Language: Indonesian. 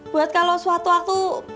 buat kalau suatu waktu